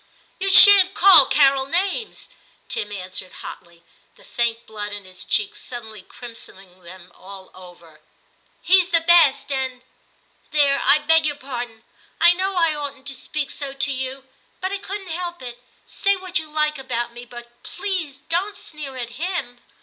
*You shan't call Carol names,' Tim answered hotly, the faint blood in his cheeks suddenly crimsoning them all over ;* he's the best and There, I beg your pardon ; I know I oughtn't to speak so to you, but I couldn't help it. Say what you like about me, but please don't sneer at him.'